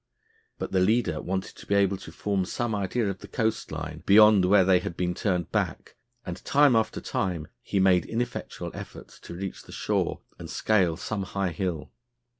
But the leader wanted to be able to form some idea of the coast line beyond where they had been turned back, and, time after time, he made ineffectual efforts to reach the shore and scale some high hill.